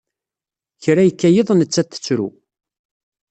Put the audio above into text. Kra yekka yiḍ nettat tettru.